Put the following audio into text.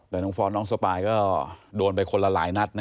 แต่น้องฟอสน้องสปายก็โดนไปคนละหลายนัดนะ